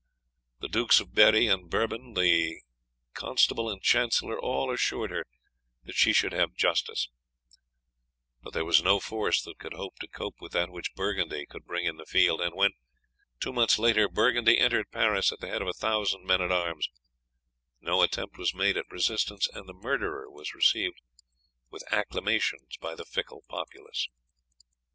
The Dukes of Berri and Bourbon, the Constable and Chancellor, all assured her that she should have justice; but there was no force that could hope to cope with that which Burgundy could bring into the field, and when, two months later, Burgundy entered Paris at the head of a thousand men at arms, no attempt was made at resistance, and the murderer was received with acclamations by the fickle populace.